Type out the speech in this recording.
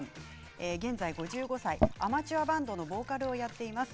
現在、５５歳アマチュアバンドのボーカルをやっています。